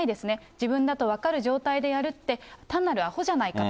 自分だと分かる状態でやるって単なるあほじゃないかと。